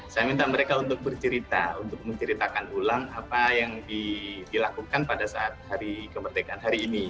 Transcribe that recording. saya minta mereka untuk bercerita untuk menceritakan ulang apa yang dilakukan pada saat hari kemerdekaan hari ini